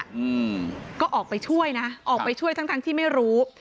อืมก็ออกไปช่วยนะออกไปช่วยทั้งทั้งที่ไม่รู้